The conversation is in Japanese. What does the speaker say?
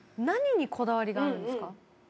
何にこだわりがあるんですか？